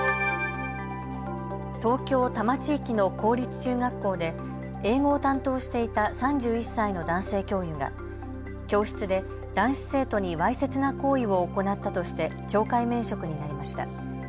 東京多摩地域の公立中学校で英語を担当していた３１歳の男性教諭が教室で男子生徒にわいせつな行為を行ったとして懲戒免職になりました。